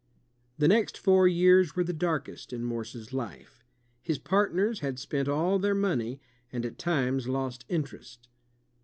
The next four years were the darkest in Morse's life. His partners had spent all their money, and at times lost interest.